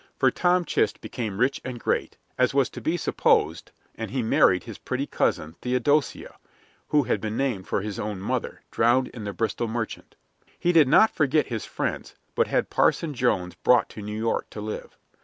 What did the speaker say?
For Tom Chist became rich and great, as was to be supposed, and he married his pretty cousin Theodosia (who had been named for his own mother, drowned in the Bristol Merchant). He did not forget his friends, but had Parson Jones brought to New York to live.